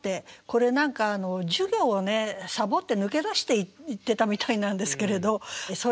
これ何か授業をさぼって抜け出して行ってたみたいなんですけれど空を眺めていた。